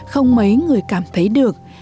không mấy người cảm thấy được